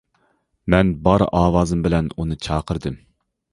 مەن بار ئاۋازىم بىلەن ئۇنى چاقىردىم.